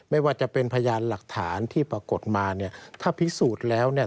ไม่ว่าจะเป็นพยานหลักฐานที่ปรากฏมาเนี่ยถ้าพิสูจน์แล้วเนี่ย